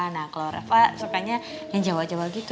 nah kalau rafa sukanya yang jawa jawa gitu